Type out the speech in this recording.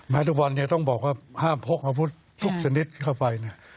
แม้ทุกวันนี้ต้องบอกว่าห้ามพกมาพุทธทุกชนิดเข้าไป